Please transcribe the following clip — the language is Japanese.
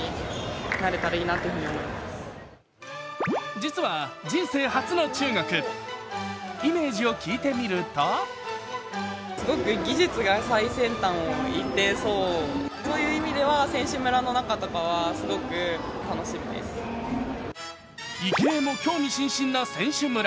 実は人生初の中国、イメージを聞いてみると池江も興味津々な選手村。